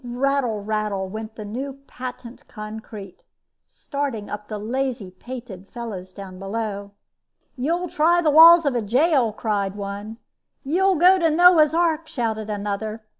Rattle, rattle went the new patent concrete, starting up the lazy pated fellows down below. "You'll try the walls of a jail," cried one. "You go to Noah's Ark," shouted another.